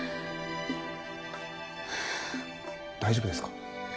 大丈夫ですか？